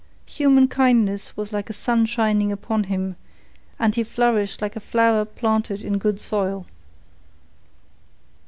Human kindness was like a sun shining upon him, and he flourished like a flower planted in good soil.